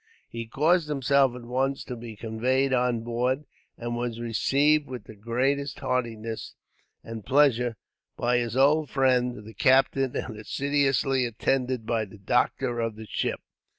He caused himself at once to be conveyed on board, and was received with the greatest heartiness and pleasure, by his old friend, the captain; and assiduously attended by the doctor of the ship.